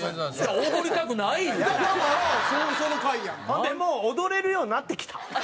ほんでもう踊れるようなってきた！